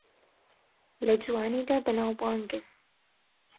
لە جوانیدا بەناوبانگن